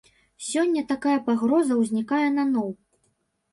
Сёння такая пагроза ўзнікае наноў.